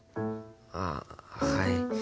あっはい。